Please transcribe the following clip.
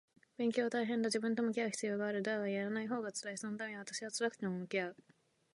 勉強は大変だ。自分と向き合う必要がある。だが、やらないほうが辛い。そのため私は辛くても向き合う